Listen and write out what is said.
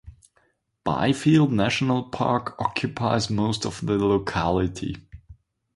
Byfield National Park occupies most of the locality.